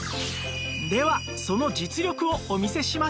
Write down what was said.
ではその実力をお見せしましょう